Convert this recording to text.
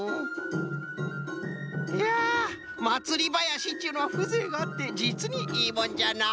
いやまつりばやしっちゅうのはふぜいがあってじつにいいもんじゃな。